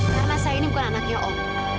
karena saya ini bukan anaknya om